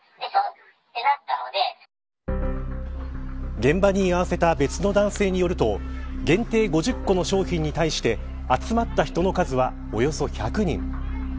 現場に居合わせた別の男性によると限定５０個の商品に対して集まった人の数はおよそ１００人。